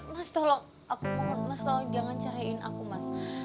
mas tolong aku mohon mas tolong jangan cerahin aku mas